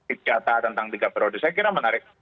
ijata tentang tiga periode saya kira menarik